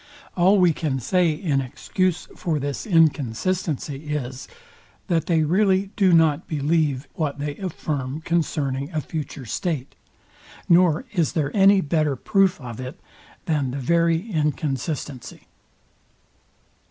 All we can say in excuse for this inconsistency is, that they really do not believe what they affirm concerning a future state; nor is there any better proof of it than the very inconsistency.